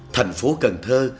thành phố cần thơ